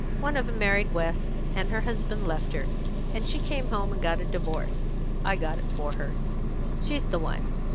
One of 'em married West, and her husband left her, and she came home here and got a divorce; I got it for her. She's the one.